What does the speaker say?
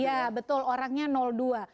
iya betul orangnya dua